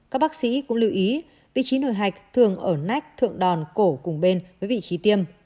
các bác sĩ cũng lưu ý vị trí nổi hạch thường ở nách thượng đòn cổ cùng bên với vị trí tiêm